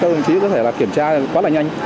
các đồng chí có thể kiểm tra quá là nhanh